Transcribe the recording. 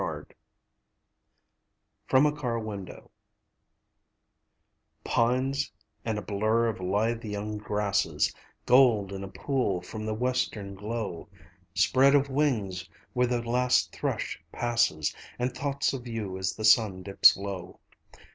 WHITING FROM A CAR WINDOW Pines, and a blur of lithe young grasses; Gold in a pool, from the western glow; Spread of wings where the last thrush passes And thoughts of you as the sun dips low.